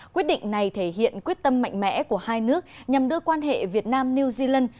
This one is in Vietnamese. quyết định này thể hiện quyết tâm mạnh mẽ của hai nước nhằm đưa quan hệ việt nam new zealand